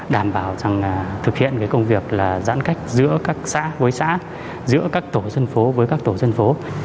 đảm bảo rằng thực hiện công việc là giãn cách giữa các xã với xã giữa các tổ dân phố với các tổ dân phố